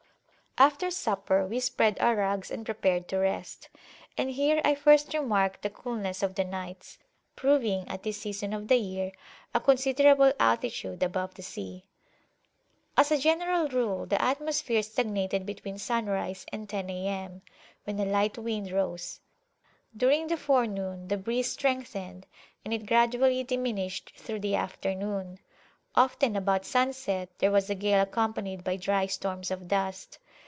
After supper we spread our rugs and prepared to rest. And here I first remarked the coolness of the nights, proving, at this season of the year, a considerable altitude above the sea. As a general rule the atmosphere stagnated between sunrise and ten A.M., when a light wind rose. During the forenoon the breeze strengthened, and it gradually diminished through the afternoon. Often about sunset there was a gale accompanied by dry storms of dust.